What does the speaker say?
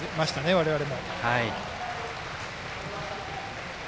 我々も。